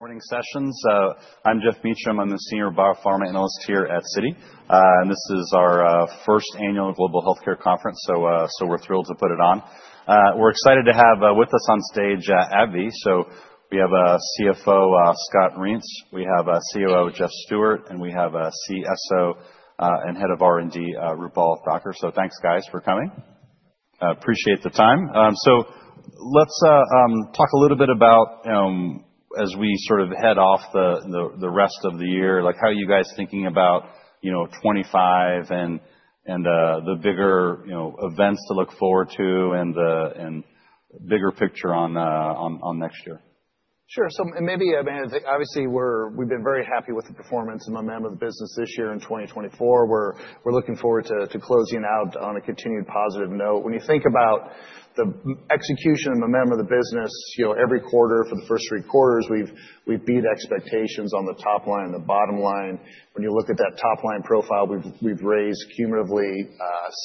Morning sessions. I'm Jeff Meacham. I'm the Senior BioPharma Analyst here at Citi. This is our first annual Global Healthcare Conference, so we're thrilled to put it on. We're excited to have with us on stage AbbVie. So we have CFO Scott Reents, we have COO Jeff Stewart, and we have CSO and Head of R&D Roopal Thakkar. So thanks, guys, for coming. Appreciate the time. So let's talk a little bit about, as we sort of head off the rest of the year, like how are you guys thinking about 2025 and the bigger events to look forward to and the bigger picture on next year? Sure. So maybe I mean, obviously, we've been very happy with the performance of the ex-Humira business this year in 2024. We're looking forward to closing out on a continued positive note. When you think about the execution of the ex-Humira business, every quarter for the first three quarters, we've beat expectations on the top line and the bottom line. When you look at that top line profile, we've raised cumulatively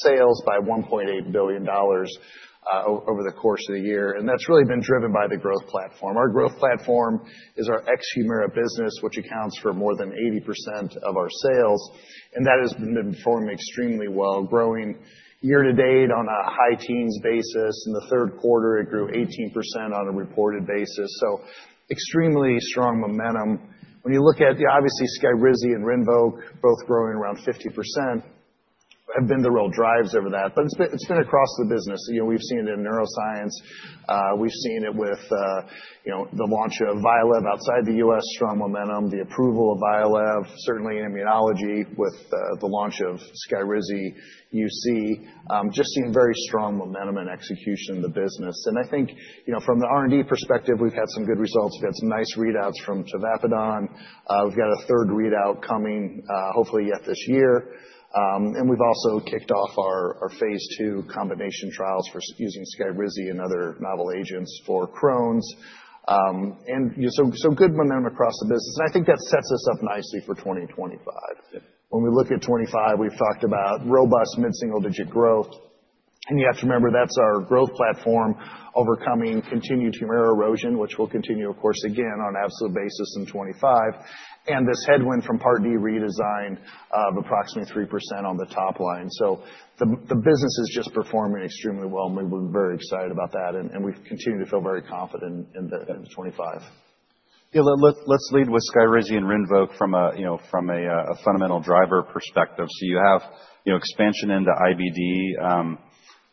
sales by $1.8 billion over the course of the year. And that's really been driven by the growth platform. Our growth platform is our ex-Humira business, which accounts for more than 80% of our sales. And that has been performing extremely well, growing year to date on a high-teens basis. In the third quarter, it grew 18% on a reported basis. So extremely strong momentum. When you look at, obviously, Skyrizi and Rinvoq, both growing around 50%, have been the real drives over that. But it's been across the business. We've seen it in neuroscience. We've seen it with the launch of Vyalev outside the U.S., strong momentum, the approval of Vyalev, certainly in immunology with the launch of Skyrizi UC. Just seen very strong momentum and execution in the business. And I think from the R&D perspective, we've had some good results. We've had some nice readouts from tavapadon. We've got a third readout coming, hopefully, yet this year. And we've also kicked off our phase two combination trials for using Skyrizi and other novel agents for Crohn's. And so good momentum across the business. And I think that sets us up nicely for 2025. When we look at 2025, we've talked about robust mid-single digit growth. You have to remember, that's our growth platform overcoming continued Humira erosion, which will continue, of course, again on an absolute basis in 2025. And this headwind from Part D redesign of approximately 3% on the top line. So the business is just performing extremely well. And we've been very excited about that. And we continue to feel very confident in 2025. Yeah, let's lead with Skyrizi and Rinvoq from a fundamental driver perspective. So you have expansion into IBD.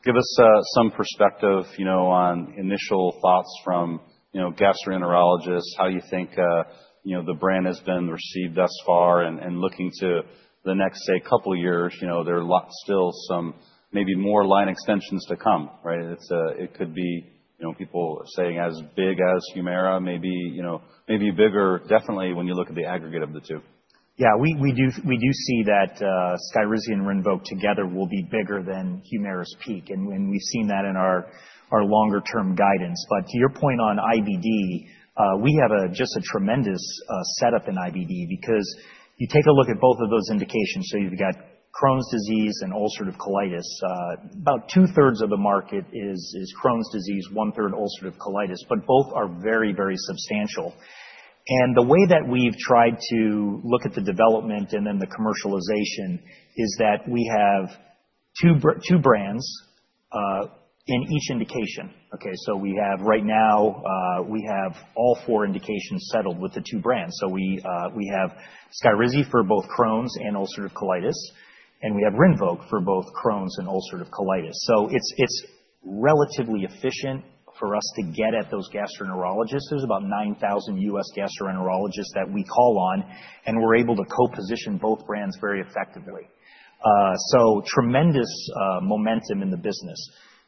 Give us some perspective on initial thoughts from gastroenterologists, how you think the brand has been received thus far. And looking to the next, say, couple of years, there are still some maybe more line extensions to come, right? It could be people saying as big as Humira, maybe bigger, definitely, when you look at the aggregate of the two. Yeah, we do see that Skyrizi and Rinvoq together will be bigger than Humira's peak, and we've seen that in our longer-term guidance. But to your point on IBD, we have just a tremendous setup in IBD because you take a look at both of those indications, so you've got Crohn's disease and ulcerative colitis. About two-thirds of the market is Crohn's disease, one-third ulcerative colitis. But both are very, very substantial, and the way that we've tried to look at the development and then the commercialization is that we have two brands in each indication, so right now, we have all four indications settled with the two brands. So we have Skyrizi for both Crohn's and ulcerative colitis, and we have Rinvoq for both Crohn's and ulcerative colitis, so it's relatively efficient for us to get at those gastroenterologists. There's about 9,000 U.S. gastroenterologists that we call on. We're able to co-position both brands very effectively. So tremendous momentum in the business.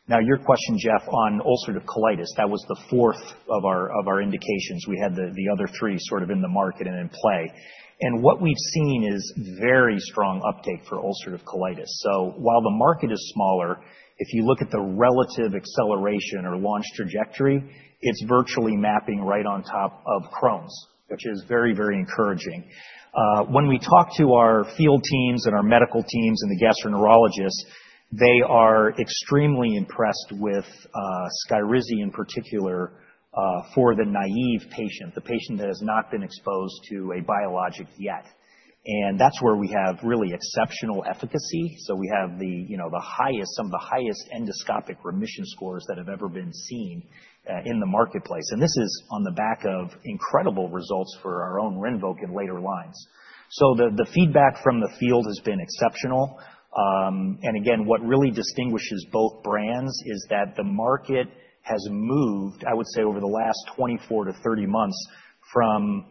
Now, your question, Jeff, on ulcerative colitis, that was the fourth of our indications. We had the other three sort of in the market and in play. What we've seen is very strong uptake for ulcerative colitis. So while the market is smaller, if you look at the relative acceleration or launch trajectory, it's virtually mapping right on top of Crohn's, which is very, very encouraging. When we talk to our field teams and our medical teams and the gastroenterologists, they are extremely impressed with Skyrizi in particular for the naive patient, the patient that has not been exposed to a biologic yet. That's where we have really exceptional efficacy. So we have some of the highest endoscopic remission scores that have ever been seen in the marketplace. And this is on the back of incredible results for our own Rinvoq and later lines. So the feedback from the field has been exceptional. And again, what really distinguishes both brands is that the market has moved, I would say, over the last 24-30 months from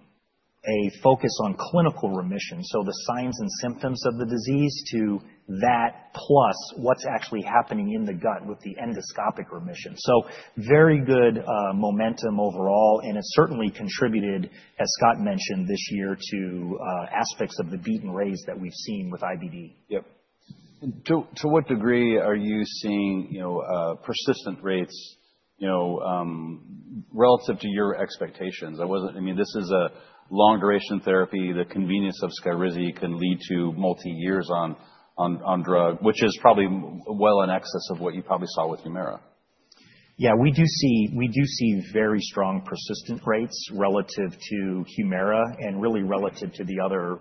a focus on clinical remission, so the signs and symptoms of the disease, to that plus what's actually happening in the gut with the endoscopic remission. So very good momentum overall. And it certainly contributed, as Scott mentioned this year, to aspects of the beat and raise that we've seen with IBD. Yep. And to what degree are you seeing persistent rates relative to your expectations? I mean, this is a long-duration therapy. The convenience of Skyrizi can lead to multi-years on drug, which is probably well in excess of what you probably saw with Humira. Yeah, we do see very strong persistent rates relative to Humira and really relative to the other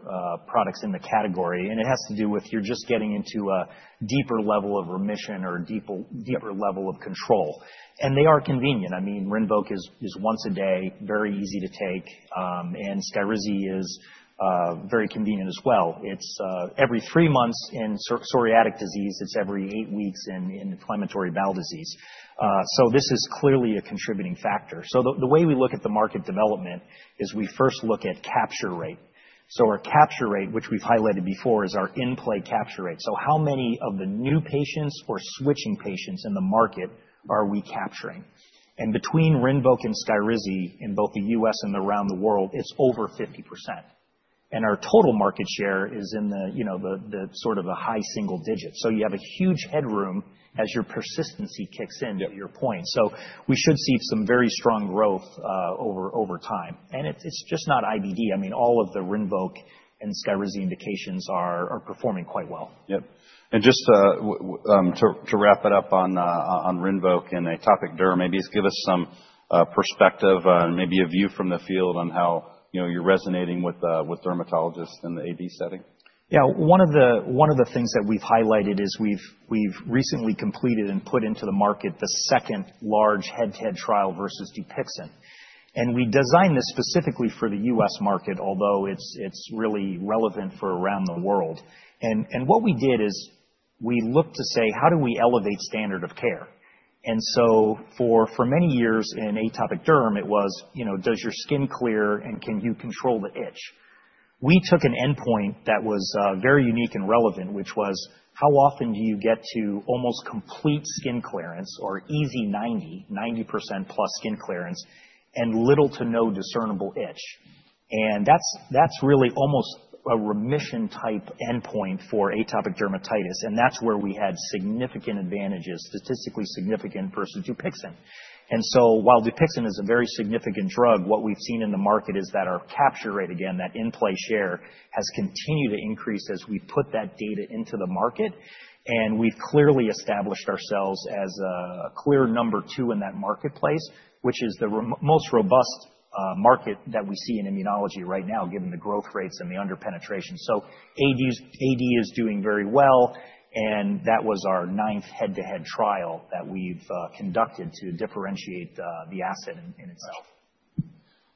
products in the category. And it has to do with you're just getting into a deeper level of remission or a deeper level of control. And they are convenient. I mean, Rinvoq is once a day, very easy to take. And Skyrizi is very convenient as well. It's every three months in psoriatic disease. It's every eight weeks in inflammatory bowel disease. So this is clearly a contributing factor. So the way we look at the market development is we first look at capture rate. So our capture rate, which we've highlighted before, is our in-play capture rate. So how many of the new patients or switching patients in the market are we capturing? And between Rinvoq and Skyrizi in both the U.S. and around the world, it's over 50%. Our total market share is in the sort of the high single digits. You have a huge headroom as your persistency kicks in, to your point. We should see some very strong growth over time. It's just not IBD. I mean, all of the Rinvoq and Skyrizi indications are performing quite well. Yep. And just to wrap it up on Rinvoq and atopic derm, maybe just give us some perspective and maybe a view from the field on how you're resonating with dermatologists in the AD setting. Yeah, one of the things that we've highlighted is we've recently completed and put into the market the second large head-to-head trial versus Dupixent. And we designed this specifically for the U.S. market, although it's really relevant for around the world. And what we did is we looked to say, how do we elevate standard of care? And so for many years in atopic derm, it was, does your skin clear and can you control the itch? We took an endpoint that was very unique and relevant, which was, how often do you get to almost complete skin clearance or EASI 90, 90% plus skin clearance and little to no discernible itch? And that's really almost a remission-type endpoint for atopic dermatitis. And that's where we had significant advantages, statistically significant versus Dupixent. And so while Dupixent is a very significant drug, what we've seen in the market is that our capture rate, again, that in-play share has continued to increase as we've put that data into the market. And we've clearly established ourselves as a clear number two in that marketplace, which is the most robust market that we see in immunology right now, given the growth rates and the under-penetration. So AD is doing very well. And that was our ninth head-to-head trial that we've conducted to differentiate the asset in itself.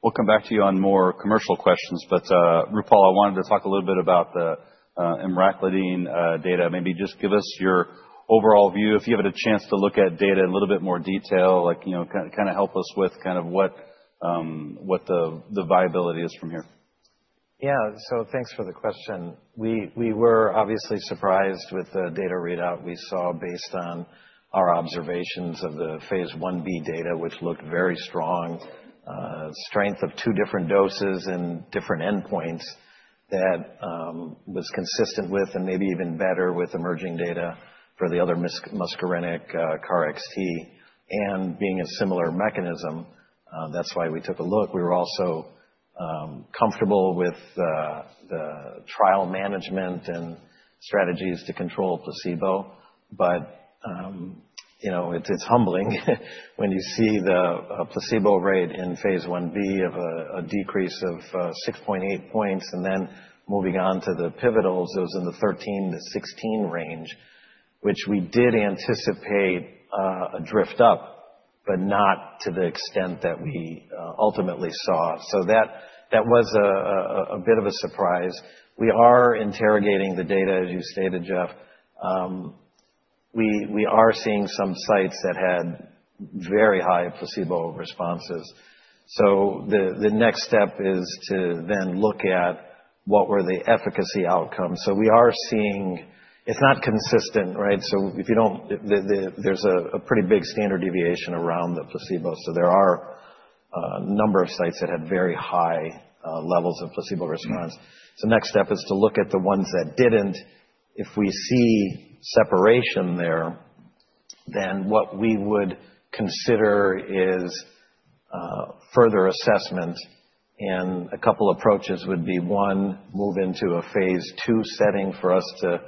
We'll come back to you on more commercial questions. But Roopal, I wanted to talk a little bit about the emraclidine data. Maybe just give us your overall view, if you have had a chance to look at data in a little bit more detail, kind of help us with kind of what the viability is from here. Yeah, so thanks for the question. We were obviously surprised with the data readout we saw based on our observations of the phase 1b data, which looked very strong, strength of two different doses in different endpoints that was consistent with and maybe even better with emerging data for the other muscarinic KarXT. And being a similar mechanism, that's why we took a look. We were also comfortable with the trial management and strategies to control placebo. But it's humbling when you see the placebo rate in phase 1b of a decrease of 6.8 points. And then moving on to the pivotals, it was in the 13-16 range, which we did anticipate a drift up, but not to the extent that we ultimately saw. So that was a bit of a surprise. We are interrogating the data, as you stated, Jeff. We are seeing some sites that had very high placebo responses, so the next step is to then look at what were the efficacy outcomes, so we are seeing it's not consistent, right, so there's a pretty big standard deviation around the placebo, so there are a number of sites that had very high levels of placebo response, so next step is to look at the ones that didn't. If we see separation there, then what we would consider is further assessment, and a couple of approaches would be, one, move into a phase two setting for us to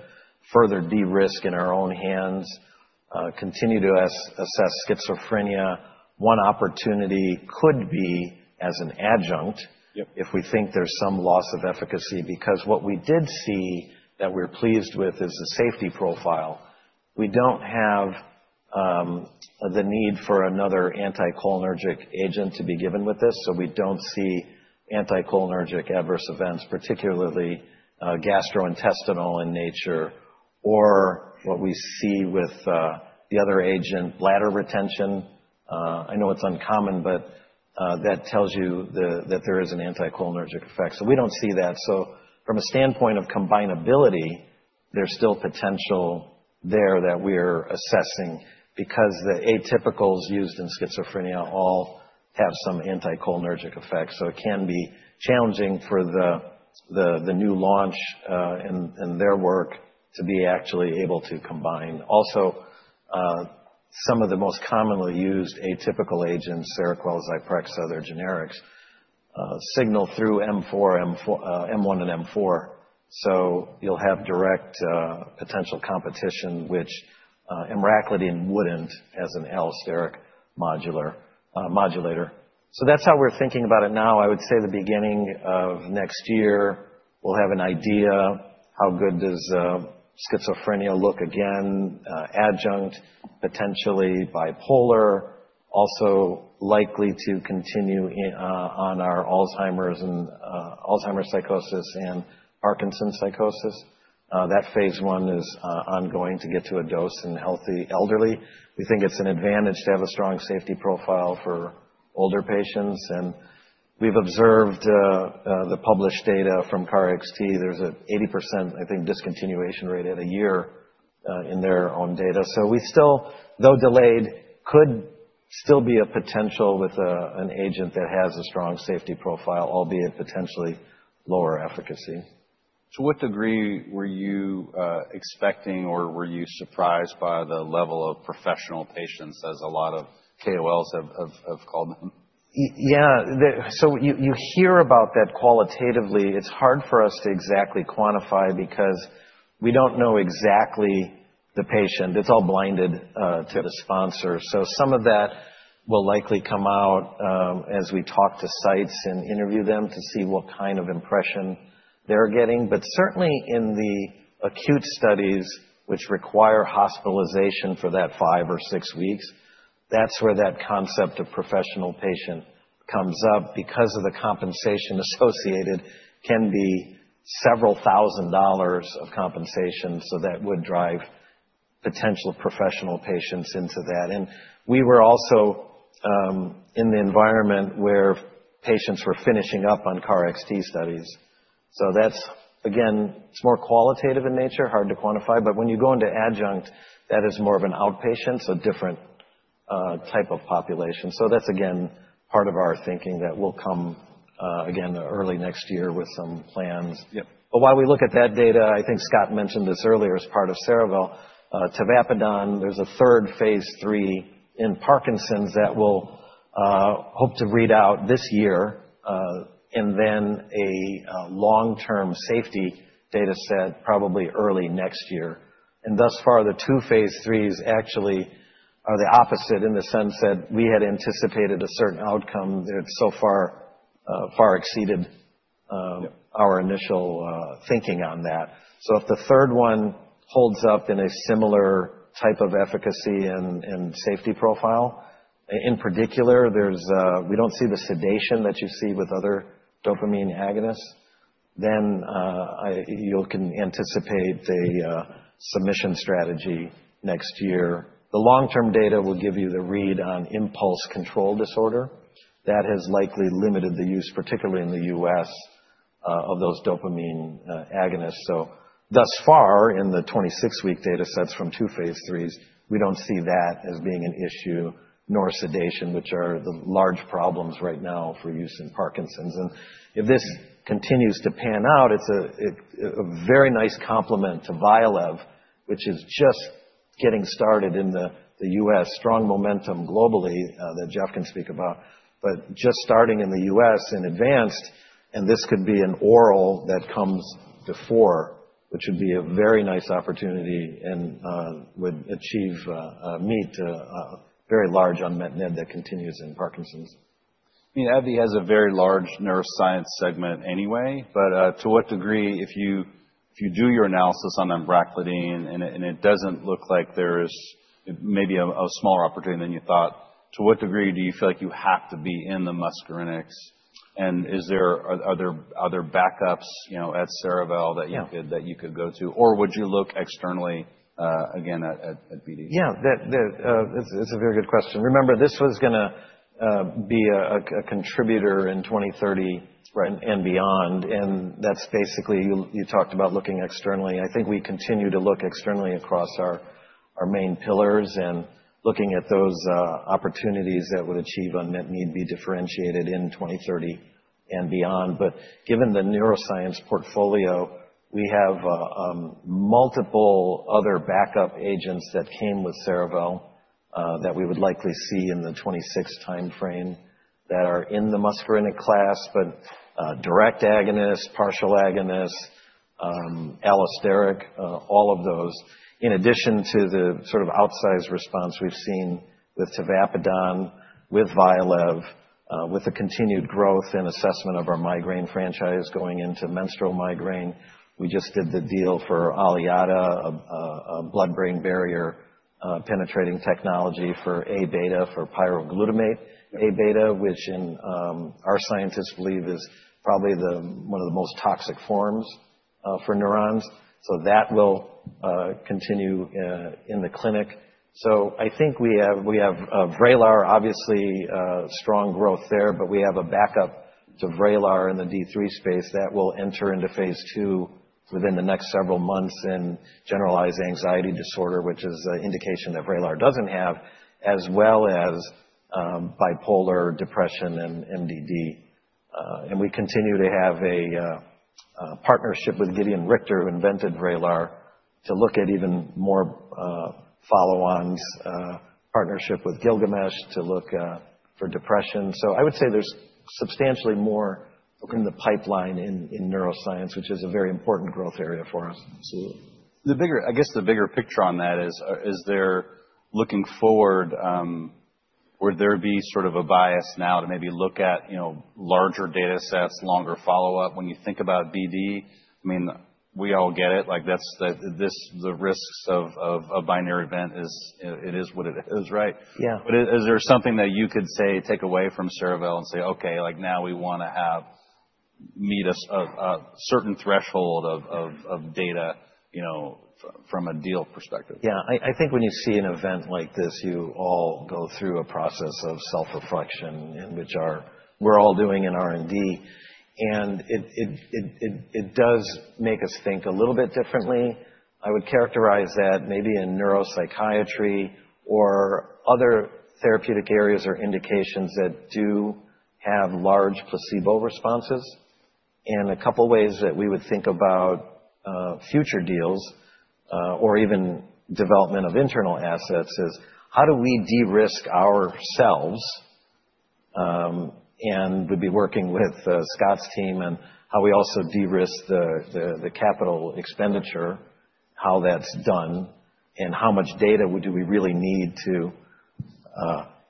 further de-risk in our own hands, continue to assess schizophrenia. One opportunity could be as an adjunct if we think there's some loss of efficacy. Because what we did see that we're pleased with is the safety profile. We don't have the need for another anticholinergic agent to be given with this. So we don't see anticholinergic adverse events, particularly gastrointestinal in nature. Or what we see with the other agent, bladder retention. I know it's uncommon, but that tells you that there is an anticholinergic effect. So we don't see that. So from a standpoint of combinability, there's still potential there that we're assessing. Because the atypicals used in schizophrenia all have some anticholinergic effects. So it can be challenging for the new launch and their work to be actually able to combine. Also, some of the most commonly used atypical agents, Seroquel, Zyprexa, their generics, signal through M4, M1, and M4. So you'll have direct potential competition, which emraclidine wouldn't as an allosteric modulator. So that's how we're thinking about it now. I would say the beginning of next year, we'll have an idea how good does schizophrenia look again, adjunct, potentially bipolar. Also likely to continue on our Alzheimer's and Alzheimer's psychosis and Parkinson's psychosis. That phase 1 is ongoing to get to a dose in healthy elderly. We think it's an advantage to have a strong safety profile for older patients. We've observed the published data from KarXT. There's an 80%, I think, discontinuation rate at a year in their own data. We still, though delayed, could still be a potential with an agent that has a strong safety profile, albeit potentially lower efficacy. To what degree were you expecting or were you surprised by the level of professional patients as a lot of KOLs have called them? Yeah. So you hear about that qualitatively. It's hard for us to exactly quantify because we don't know exactly the patient. It's all blinded to the sponsor. So some of that will likely come out as we talk to sites and interview them to see what kind of impression they're getting. But certainly in the acute studies, which require hospitalization for that five or six weeks, that's where that concept of professional patient comes up because of the compensation associated can be several thousand dollars of compensation. So that would drive potential professional patients into that. And we were also in the environment where patients were finishing up on KarXT studies. So that's, again, it's more qualitative in nature, hard to quantify. But when you go into adjunct, that is more of an outpatient, so different type of population. That's, again, part of our thinking that will come, again, early next year with some plans. But while we look at that data, I think Scott mentioned this earlier as part of Cerevel, tavapadon. There's a third phase three in Parkinson's that we'll hope to read out this year. And then a long-term safety data set probably early next year. And thus far, the two phase threes actually are the opposite in the sense that we had anticipated a certain outcome. It's so far far exceeded our initial thinking on that. So if the third one holds up in a similar type of efficacy and safety profile, in particular, we don't see the sedation that you see with other dopamine agonists, then you can anticipate a submission strategy next year. The long-term data will give you the read on impulse control disorder. That has likely limited the use, particularly in the U.S., of those dopamine agonists. So thus far, in the 26-week data sets from two phase 3s, we don't see that as being an issue, nor sedation, which are the large problems right now for use in Parkinson's. And if this continues to pan out, it's a very nice complement to Vyalev, which is just getting started in the U.S., strong momentum globally that Jeff can speak about, but just starting in the U.S. in advanced. And this could be an oral that comes before, which would be a very nice opportunity and would achieve and meet a very large unmet need that continues in Parkinson's. I mean, AbbVie has a very large neuroscience segment anyway. But to what degree, if you do your analysis on emraclidine and it doesn't look like there is maybe a smaller opportunity than you thought, to what degree do you feel like you have to be in the muscarinics? And are there backups at Cerevel that you could go to? Or would you look externally, again, at BD? Yeah, it's a very good question. Remember, this was going to be a contributor in 2030 and beyond, and that's basically you talked about looking externally. I think we continue to look externally across our main pillars and looking at those opportunities that would achieve unmet need, be differentiated in 2030 and beyond, but given the neuroscience portfolio, we have multiple other backup agents that came with Cerevel that we would likely see in the 2026 timeframe that are in the muscarinic class, but direct agonists, partial agonists, allosteric, all of those. In addition to the sort of outsized response we've seen with tavapadon, with Vyalev, with the continued growth and assessment of our migraine franchise going into menstrual migraine. We just did the deal for Aliada, a blood-brain barrier penetrating technology for A-beta for pyroglutamate A-beta, which our scientists believe is probably one of the most toxic forms for neurons. So that will continue in the clinic. So I think we have Vraylar, obviously strong growth there, but we have a backup to Vraylar in the D3 space that will enter into phase two within the next several months in generalized anxiety disorder, which is an indication that Vraylar doesn't have, as well as bipolar depression and MDD. And we continue to have a partnership with Gedeon Richter, who invented Vraylar, to look at even more follow-ons, partnership with Gilgamesh to look for depression. So I would say there's substantially more in the pipeline in neuroscience, which is a very important growth area for us. I guess the bigger picture on that is, looking forward, would there be sort of a bias now to maybe look at larger data sets, longer follow-up when you think about BD? I mean, we all get it. The risks of a binary event, it is what it is, right? Yeah. But is there something that you could say, take away from Cerevel and say, "Okay, now we want to meet a certain threshold of data from a deal perspective"? Yeah. I think when you see an event like this, you all go through a process of self-reflection, which we're all doing in R&D, and it does make us think a little bit differently. I would characterize that maybe in neuropsychiatry or other therapeutic areas or indications that do have large placebo responses, and a couple of ways that we would think about future deals or even development of internal assets is how do we de-risk ourselves? We'd be working with Scott's team on how we also de-risk the capital expenditure, how that's done, and how much data do we really need to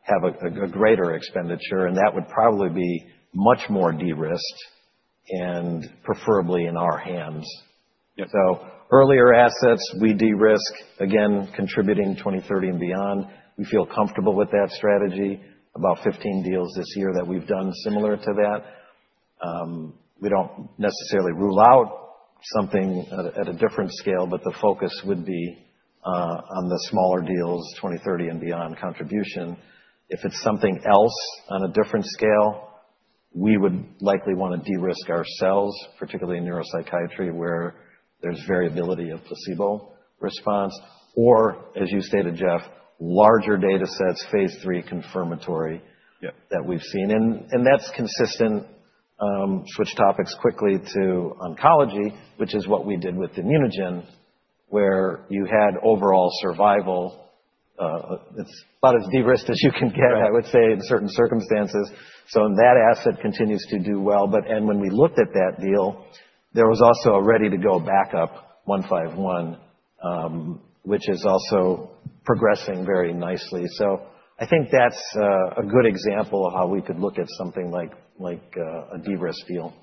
have a greater expenditure, and that would probably be much more de-risked and preferably in our hands, so earlier assets, we de-risk, again, contributing 2030 and beyond. We feel comfortable with that strategy, about 15 deals this year that we've done similar to that. We don't necessarily rule out something at a different scale, but the focus would be on the smaller deals, 2030 and beyond contribution. If it's something else on a different scale, we would likely want to de-risk ourselves, particularly in neuropsychiatry, where there's variability of placebo response. Or, as you stated, Jeff, larger data sets, phase 3 confirmatory that we've seen. And that's consistent. Switch topics quickly to oncology, which is what we did with ImmunoGen, where you had overall survival. It's about as de-risked as you can get, I would say, in certain circumstances. So that asset continues to do well. But when we looked at that deal, there was also a ready-to-go backup, 151, which is also progressing very nicely. So I think that's a good example of how we could look at something like a de-risk deal.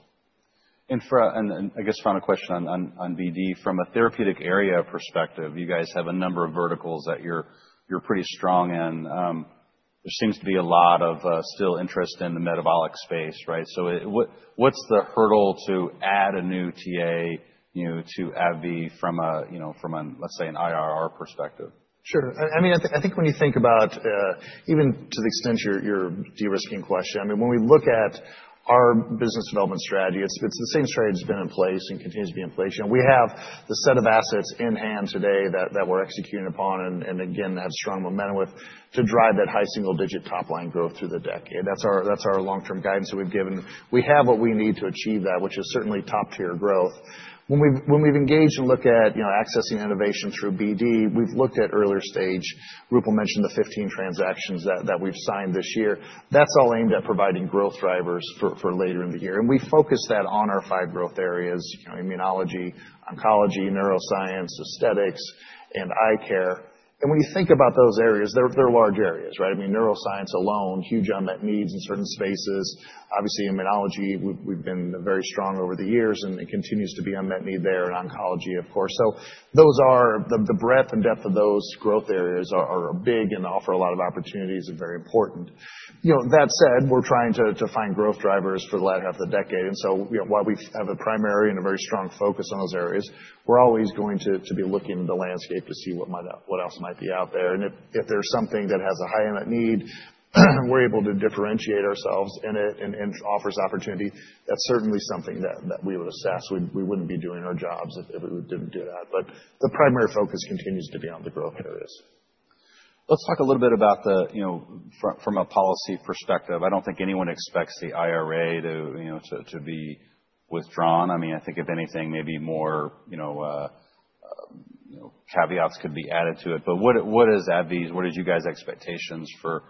And I guess final question on BD. From a therapeutic area perspective, you guys have a number of verticals that you're pretty strong in. There seems to be a lot of still interest in the metabolic space, right? So what's the hurdle to add a new TA to AbbVie from a, let's say, an IRR perspective? Sure. I mean, I think when you think about even to the extent you're de-risking question, I mean, when we look at our business development strategy, it's the same strategy that's been in place and continues to be in place. We have the set of assets in hand today that we're executing upon and, again, have strong momentum with to drive that high single-digit top-line growth through the decade. That's our long-term guidance that we've given. We have what we need to achieve that, which is certainly top-tier growth. When we've engaged and looked at accessing innovation through BD, we've looked at earlier stage. Roopal mentioned the 15 transactions that we've signed this year. That's all aimed at providing growth drivers for later in the year. And we focus that on our five growth areas: immunology, oncology, neuroscience, aesthetics, and eye care. When you think about those areas, they're large areas, right? I mean, neuroscience alone, huge unmet needs in certain spaces. Obviously, immunology, we've been very strong over the years and it continues to be unmet need there. And oncology, of course. So the breadth and depth of those growth areas are big and offer a lot of opportunities and very important. That said, we're trying to find growth drivers for the latter half of the decade. And so while we have a primary and a very strong focus on those areas, we're always going to be looking at the landscape to see what else might be out there. And if there's something that has a high unmet need, we're able to differentiate ourselves in it and it offers opportunity. That's certainly something that we would assess. We wouldn't be doing our jobs if we didn't do that. But the primary focus continues to be on the growth areas. Let's talk a little bit about the from a policy perspective. I don't think anyone expects the IRA to be withdrawn. I mean, I think if anything, maybe more caveats could be added to it. But what is AbbVie's? What are you guys' expectations for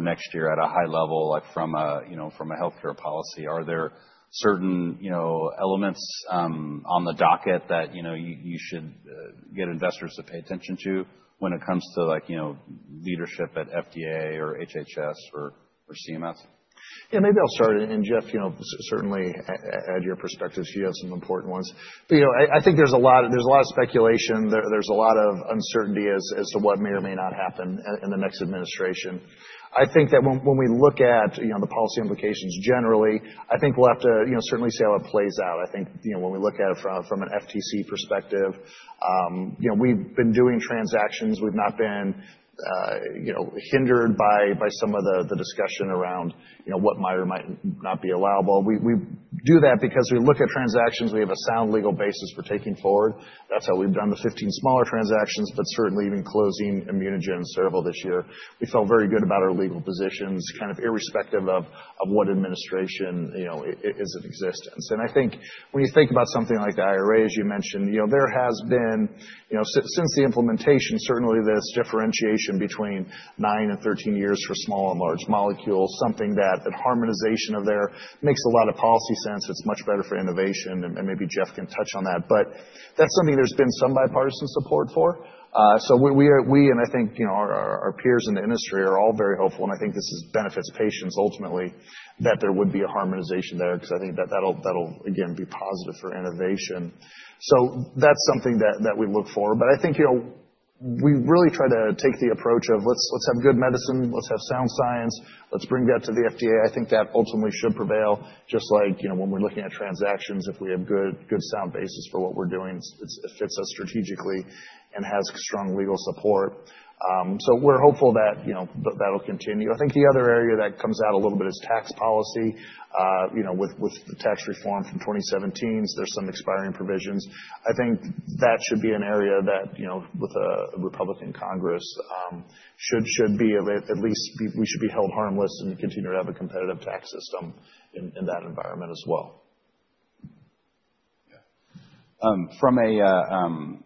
next year at a high level from a healthcare policy? Are there certain elements on the docket that you should get investors to pay attention to when it comes to leadership at FDA or HHS or CMS? Yeah, maybe I'll start. And Jeff, certainly add your perspectives because you have some important ones. But I think there's a lot of speculation. There's a lot of uncertainty as to what may or may not happen in the next administration. I think that when we look at the policy implications generally, I think we'll have to certainly see how it plays out. I think when we look at it from an FTC perspective, we've been doing transactions. We've not been hindered by some of the discussion around what might or might not be allowable. We do that because we look at transactions. We have a sound legal basis for taking forward. That's how we've done the 15 smaller transactions, but certainly even closing ImmunoGen and Cerevel this year. We felt very good about our legal positions, kind of irrespective of what administration is in existence. I think when you think about something like the IRA, as you mentioned, there has been, since the implementation, certainly this differentiation between nine and 13 years for small and large molecules. Something that harmonization there makes a lot of policy sense. It's much better for innovation. And maybe Jeff can touch on that. But that's something there's been some bipartisan support for. So we, and I think our peers in the industry are all very hopeful. And I think this benefits patients ultimately that there would be a harmonization there because I think that that'll, again, be positive for innovation. So that's something that we look for. But I think we really try to take the approach of let's have good medicine. Let's have sound science. Let's bring that to the FDA. I think that ultimately should prevail, just like when we're looking at transactions, if we have good sound basis for what we're doing, it fits us strategically and has strong legal support. So we're hopeful that that'll continue. I think the other area that comes out a little bit is tax policy. With the tax reform from 2017, there's some expiring provisions. I think that should be an area that, with a Republican Congress, should be at least we should be held harmless and continue to have a competitive tax system in that environment as well. Yeah. From a,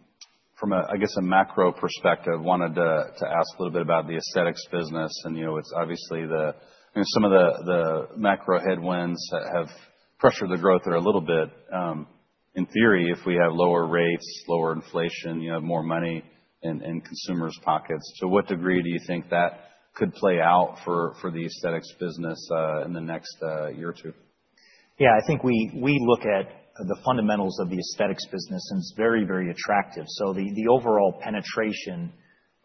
I guess, a macro perspective, wanted to ask a little bit about the aesthetics business, and it's obviously some of the macro headwinds that have pressured the growth are a little bit, in theory, if we have lower rates, lower inflation, more money in consumers' pockets. To what degree do you think that could play out for the aesthetics business in the next year or two? Yeah, I think we look at the fundamentals of the aesthetics business, and it's very, very attractive. So the overall penetration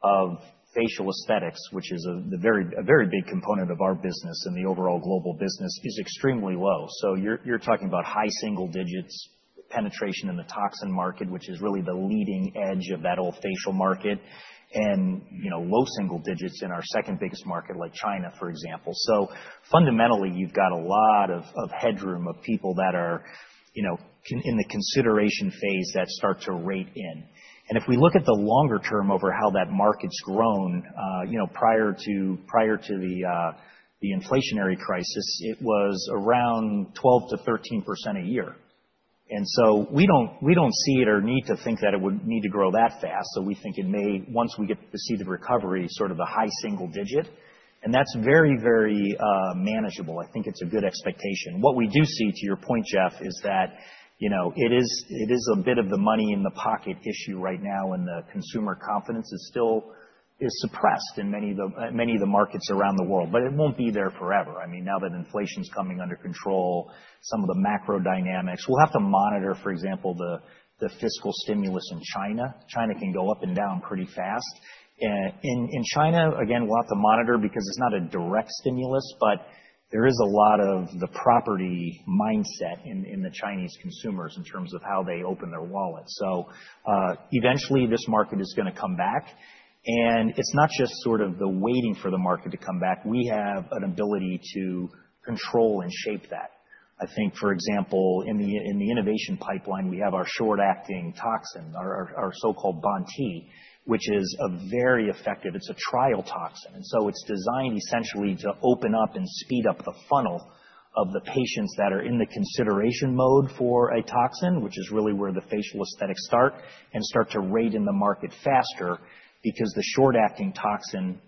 of facial aesthetics, which is a very big component of our business and the overall global business, is extremely low. So you're talking about high single digits penetration in the toxin market, which is really the leading edge of that overall facial market, and low single digits in our second biggest market, like China, for example. So fundamentally, you've got a lot of headroom of people that are in the consideration phase that start to trickle in. And if we look at the longer term over how that market's grown, prior to the inflationary crisis, it was around 12%-13% a year. And so we don't see it or need to think that it would need to grow that fast. So we think it may, once we get to see the recovery, sort of the high single digit. And that's very, very manageable. I think it's a good expectation. What we do see, to your point, Jeff, is that it is a bit of the money in the pocket issue right now, and the consumer confidence is still suppressed in many of the markets around the world. But it won't be there forever. I mean, now that inflation's coming under control, some of the macro dynamics, we'll have to monitor, for example, the fiscal stimulus in China. China can go up and down pretty fast. In China, again, we'll have to monitor because it's not a direct stimulus, but there is a lot of the property mindset in the Chinese consumers in terms of how they open their wallet. So eventually, this market is going to come back. And it's not just sort of the waiting for the market to come back. We have an ability to control and shape that. I think, for example, in the innovation pipeline, we have our short-acting toxin, our so-called BoNT/E, which is a very effective. It's a trial toxin. And so it's designed essentially to open up and speed up the funnel of the patients that are in the consideration mode for a toxin, which is really where the facial aesthetics start to rate in the market faster because the short-acting toxin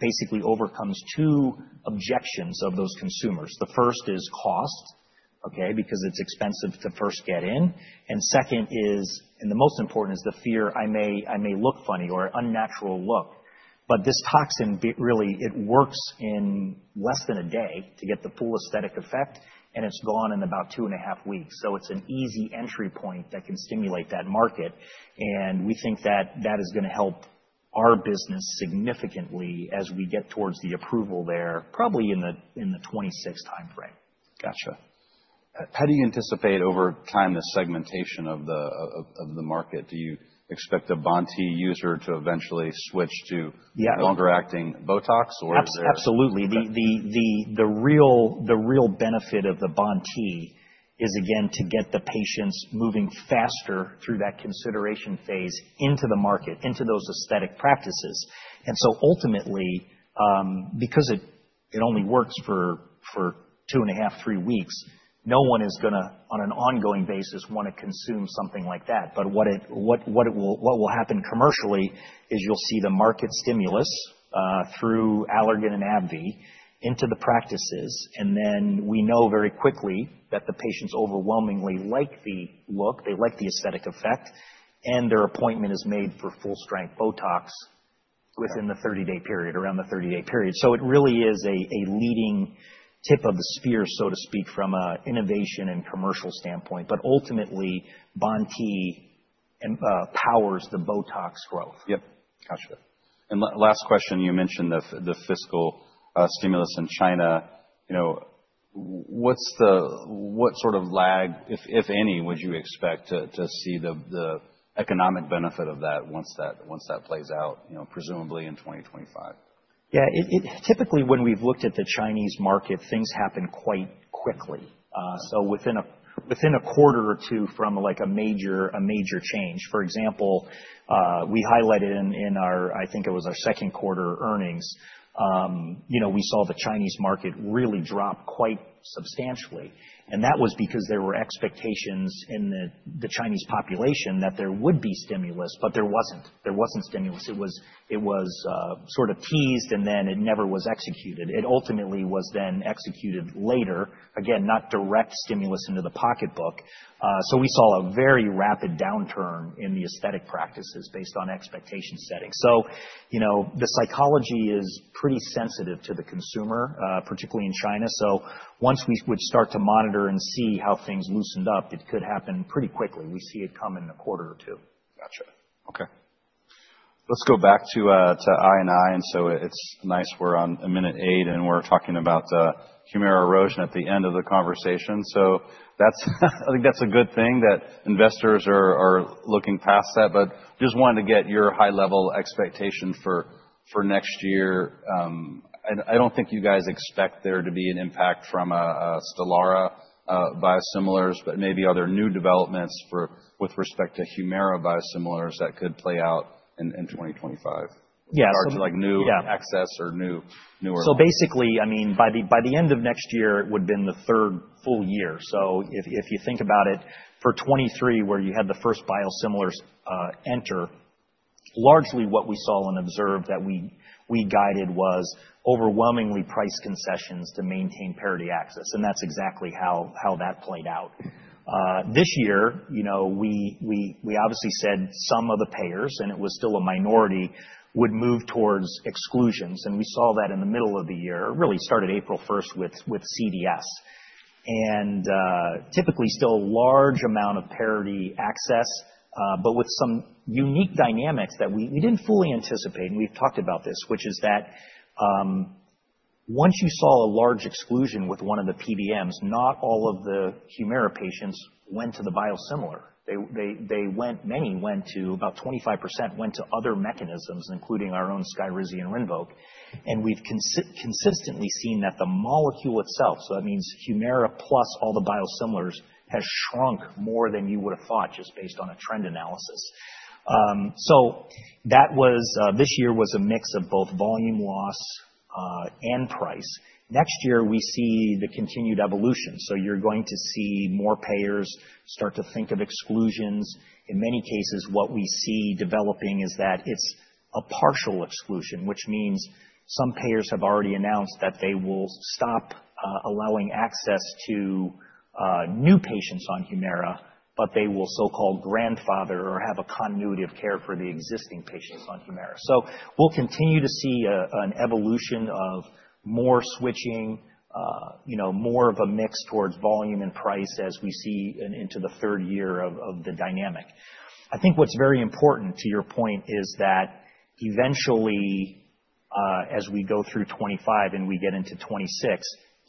basically overcomes two objections of those consumers. The first is cost, okay, because it's expensive to first get in. And second is, and the most important is the fear I may look funny or unnatural look. But this toxin, really, it works in less than a day to get the full aesthetic effect, and it's gone in about two and a half weeks. So it's an easy entry point that can stimulate that market. And we think that that is going to help our business significantly as we get towards the approval there, probably in the 2026 timeframe. Gotcha. How do you anticipate over time the segmentation of the market? Do you expect a BoNT/E user to eventually switch to longer-acting Botox or? Absolutely. The real benefit of the BoNT/E is, again, to get the patients moving faster through that consideration phase into the market, into those aesthetic practices, and so ultimately, because it only works for two and a half, three weeks, no one is going to, on an ongoing basis, want to consume something like that, but what will happen commercially is you'll see the market stimulus through Allergan and AbbVie into the practices, and then we know very quickly that the patients overwhelmingly like the look. They like the aesthetic effect, and their appointment is made for full-strength Botox within the 30-day period, around the 30-day period, so it really is a leading tip of the spear, so to speak, from an innovation and commercial standpoint, but ultimately, BoNT/E powers the Botox growth. Yep. Gotcha. And last question, you mentioned the fiscal stimulus in China. What sort of lag, if any, would you expect to see the economic benefit of that once that plays out, presumably in 2025? Yeah. Typically, when we've looked at the Chinese market, things happen quite quickly. So within a quarter or two from a major change. For example, we highlighted in our, I think it was our second quarter earnings, we saw the Chinese market really drop quite substantially. And that was because there were expectations in the Chinese population that there would be stimulus, but there wasn't. There wasn't stimulus. It was sort of teased, and then it never was executed. It ultimately was then executed later. Again, not direct stimulus into the pocketbook. So we saw a very rapid downturn in the aesthetic practices based on expectation setting. So the psychology is pretty sensitive to the consumer, particularly in China. So once we would start to monitor and see how things loosened up, it could happen pretty quickly. We see it come in a quarter or two. Gotcha. Okay. Let's go back to I&I. And so it's nice we're on minute eight, and we're talking about Humira erosion at the end of the conversation. So I think that's a good thing that investors are looking past that. But just wanted to get your high-level expectation for next year. I don't think you guys expect there to be an impact from Stelara biosimilars, but maybe other new developments with respect to Humira biosimilars that could play out in 2025. Yes. Like new access or newer? So basically, I mean, by the end of next year, it would have been the third full year. So if you think about it, for 2023, where you had the first biosimilars enter, largely what we saw and observed that we guided was overwhelmingly price concessions to maintain parity access. And that's exactly how that played out. This year, we obviously said some of the payers, and it was still a minority, would move towards exclusions. And we saw that in the middle of the year, really started April 1st with CVS. And typically, still a large amount of parity access, but with some unique dynamics that we didn't fully anticipate. And we've talked about this, which is that once you saw a large exclusion with one of the PBMs, not all of the Humira patients went to the biosimilar. Many went to about 25% went to other mechanisms, including our own Skyrizi and Rinvoq. And we've consistently seen that the molecule itself, so that means Humira plus all the biosimilars, has shrunk more than you would have thought just based on a trend analysis. So this year was a mix of both volume loss and price. Next year, we see the continued evolution. So you're going to see more payers start to think of exclusions. In many cases, what we see developing is that it's a partial exclusion, which means some payers have already announced that they will stop allowing access to new patients on Humira, but they will so-called grandfather or have a continuity of care for the existing patients on Humira. We'll continue to see an evolution of more switching, more of a mix towards volume and price as we see into the third year of the dynamic. I think what's very important to your point is that eventually, as we go through 2025 and we get into 2026,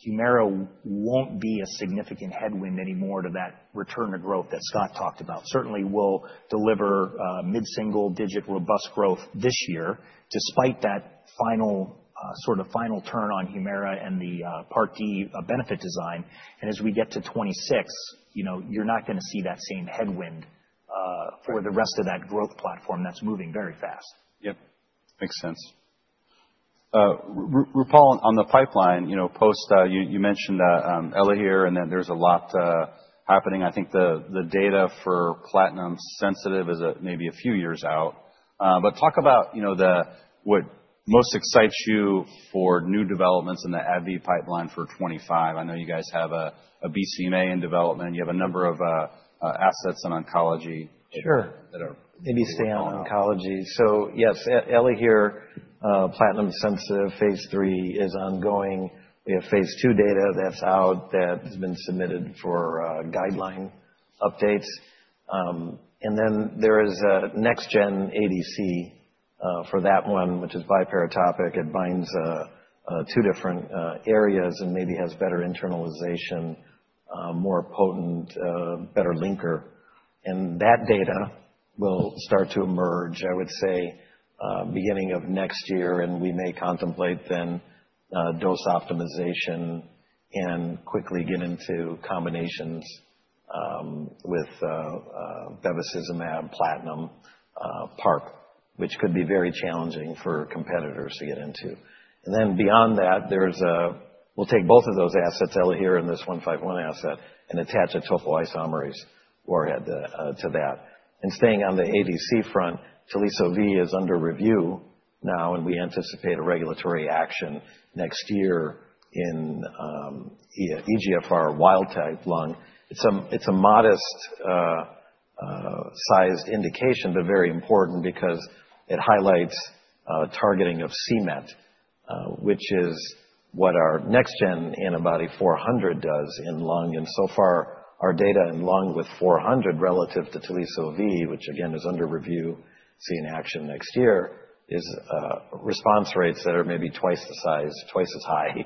Humira won't be a significant headwind anymore to that return to growth that Scott talked about. Certainly, we'll deliver mid-single digit robust growth this year despite that sort of final turn on Humira and the Part D benefit design. And as we get to 2026, you're not going to see that same headwind for the rest of that growth platform that's moving very fast. Yep. Makes sense. Roopal, on the pipeline, you mentioned Elahere and that there's a lot happening. I think the data for platinum sensitive is maybe a few years out. But talk about what most excites you for new developments in the AbbVie pipeline for 2025. I know you guys have a BCMA in development. You have a number of assets in oncology. Sure. Maybe stay on oncology. So yes, Elahere, platinum sensitive, phase three is ongoing. We have phase II data that's out that has been submitted for guideline updates. And then there is a next-gen ADC for that one, which is biparatopic. It binds two different areas and maybe has better internalization, more potent, better linker. And that data will start to emerge, I would say, beginning of next year. And we may contemplate then dose optimization and quickly get into combinations with bevacizumab, platinum, PARP, which could be very challenging for competitors to get into. And then beyond that, we'll take both of those assets, Elahere and this ABBV-151 asset, and attach a topoisomerase warhead to that. And staying on the ADC front, Teliso-V is under review now, and we anticipate a regulatory action next year in EGFR wild-type lung. It's a modest-sized indication, but very important because it highlights targeting of c-Met, which is what our next-gen antibody ABBV-400 does in lung. And so far, our data in lung with ABBV-400 relative to Teliso-V, which again is under review, seeing action next year, is response rates that are maybe twice the size, twice as high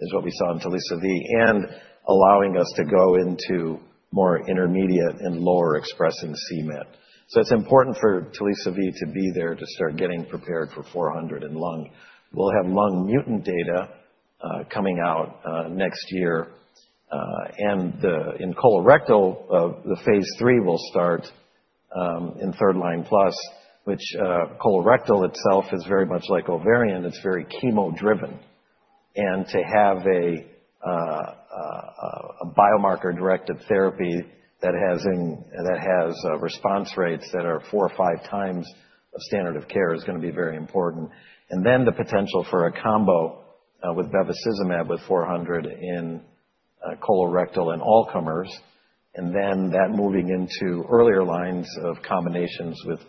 as what we saw in Teliso-V, and allowing us to go into more intermediate and lower-expressing c-Met. So it's important for Teliso-V to be there to start getting prepared for ABBV-400 in lung. We'll have lung mutant data coming out next year. And in colorectal, the phase 3 will start in third line plus, which colorectal itself is very much like ovarian. It's very chemo-driven. And to have a biomarker-directed therapy that has response rates that are four or five times a standard of care is going to be very important. And then the potential for a combo with bevacizumab with ABBV-400 in colorectal and Alzheimer's. And then that moving into earlier lines of combinations with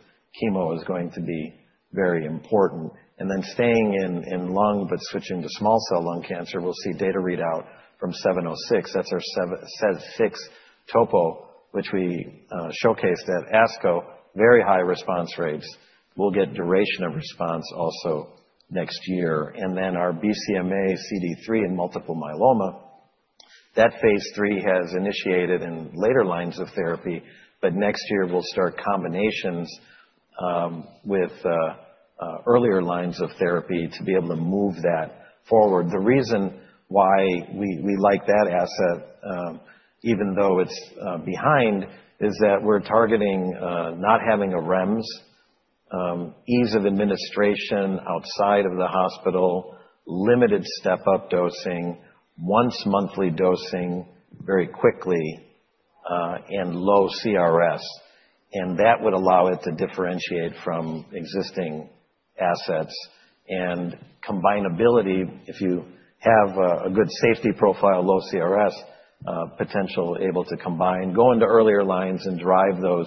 chemo is going to be very important. And then staying in lung but switching to small cell lung cancer, we'll see data readout from ABBV-706. That's our SEZ6 topo, which we showcased at ASCO. Very high response rates. We'll get duration of response also next year. And then our BCMA CD3 in multiple myeloma. That phase three has initiated in later lines of therapy, but next year we'll start combinations with earlier lines of therapy to be able to move that forward. The reason why we like that asset, even though it's behind, is that we're targeting not having a REMS, ease of administration outside of the hospital, limited step-up dosing, once-monthly dosing very quickly, and low CRS. That would allow it to differentiate from existing assets. Combinability, if you have a good safety profile, low CRS, potential able to combine, go into earlier lines and drive those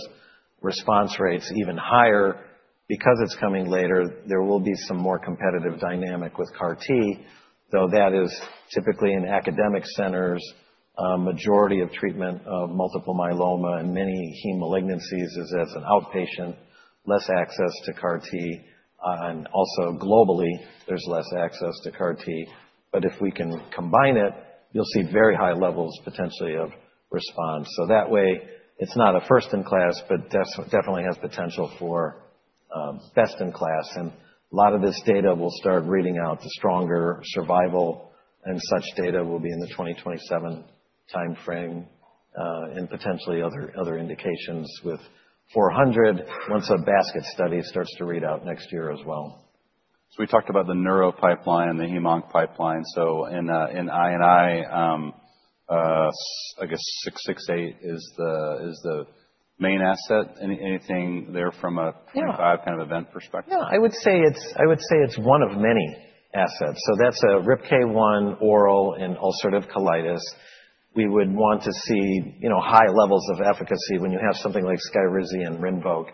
response rates even higher. Because it's coming later, there will be some more competitive dynamic with CAR-T, though that is typically in academic centers. Majority of treatment of multiple myeloma and many heme malignancies is as an outpatient, less access to CAR-T. Also globally, there's less access to CAR-T. If we can combine it, you'll see very high levels potentially of response. That way, it's not a first-in-class, but definitely has potential for best-in-class. A lot of this data will start reading out to stronger survival. Such data will be in the 2027 timeframe and potentially other indications with 400 once a basket study starts to read out next year as well. So we talked about the Neuro pipeline and the HemOnc pipeline. So in I&I, I guess 668 is the main asset. Anything there from a kind of event perspective? Yeah. I would say it's one of many assets. So that's a RIPK1 oral in ulcerative colitis. We would want to see high levels of efficacy when you have something like Skyrizi and Rinvoq.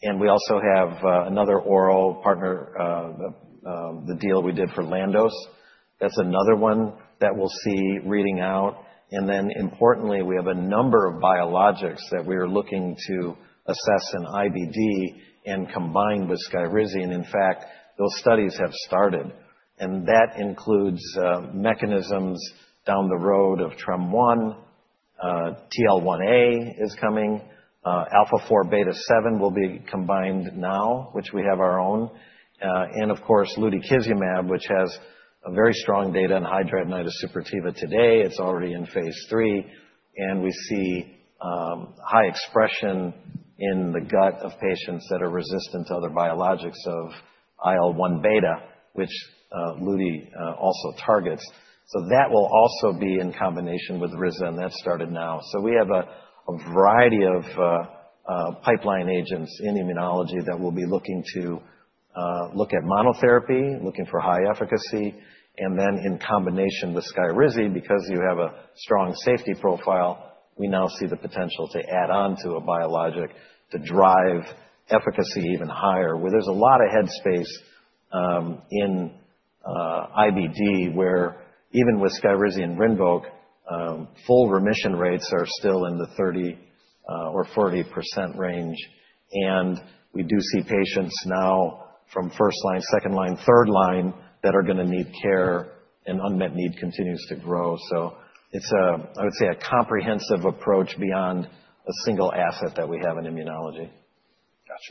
And we also have another oral partner, the deal we did for Landos. That's another one that we'll see reading out. And then importantly, we have a number of biologics that we are looking to assess in IBD and combine with Skyrizi. And in fact, those studies have started. And that includes mechanisms down the road of TREM1. TL1A is coming. Alpha 4 beta 7 will be combined now, which we have our own. And of course, lutikizumab, which has very strong data in hidradenitis suppurativa today. It's already in phase 3. And we see high expression in the gut of patients that are resistant to other biologics of IL-1 beta, which Luty also targets. That will also be in combination with Rinvoq. And that started now. We have a variety of pipeline agents in immunology that will be looking at monotherapy, looking for high efficacy. And then in combination with Skyrizi, because you have a strong safety profile, we now see the potential to add on to a biologic to drive efficacy even higher. There's a lot of headspace in IBD where even with Skyrizi and Rinvoq, full remission rates are still in the 30% or 40% range. And we do see patients now from first line, second line, third line that are going to need care and unmet need continues to grow. It's, I would say, a comprehensive approach beyond a single asset that we have in immunology. Gotcha.